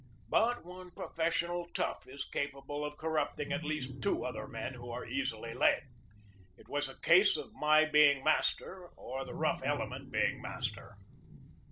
But one professional tough is capable of corrupting at least two other men who are easily led. It was a case of my being master, or the rough element being master.